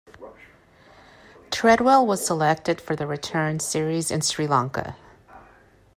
Tredwell was selected for the return series in Sri Lanka.